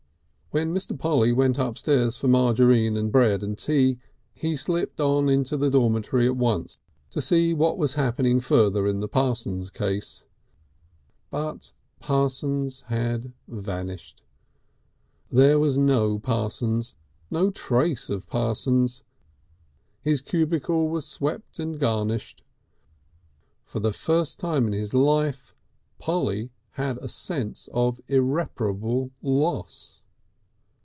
When Mr. Polly went upstairs for margarine and bread and tea, he slipped on into the dormitory at once to see what was happening further in the Parsons case. But Parsons had vanished. There was no Parsons, no trace of Parsons. His cubicle was swept and garnished. For the first time in his life Polly had a sense of irreparable loss.